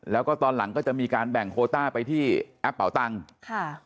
แล้วก็ตอนหลังก็จะมีการแบ่งโคต้าไปที่แอปเป่าตังค์ค่ะ